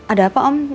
ada apa om